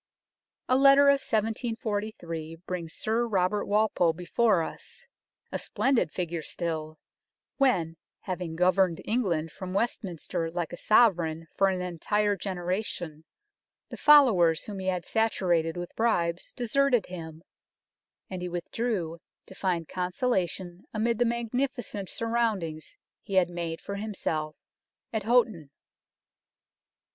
A letter of 1743 brings Sir Robert Walpole before us, a splendid figure still, when, having governed England from Westminster like a Sovereign for an entire generation, the followers whom he had saturated with bribes deserted him, and he withdrew to find consolation amid A CITY MERCHANT'S MANSION 95 the magnificent surroundings he had made for himself at Houghton.